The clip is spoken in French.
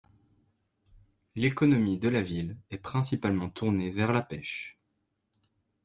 L'économie de la ville est principalement tournée vers la pêche.